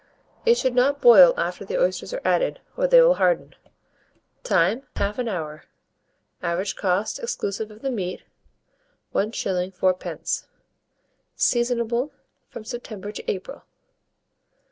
It should not boil after the oysters are added, or they will harden. Time. 1/2 hour. Average cost, exclusive of the meat, 1s. 4d. Seasonable from September to April.